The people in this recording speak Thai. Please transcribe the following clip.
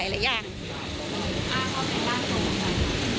อ่าเขาก็เป็นล่างทรงกัน